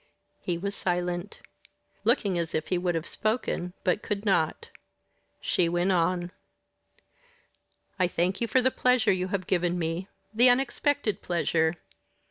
He was silent looking as if he would have spoken, but could not. She went on: "I thank you for the pleasure you have given me the unexpected pleasure.